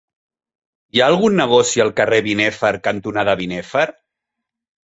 Hi ha algun negoci al carrer Binèfar cantonada Binèfar?